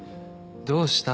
どうした？